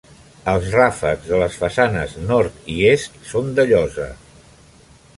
Els ràfecs de les façanes Nord i Est són de llosa.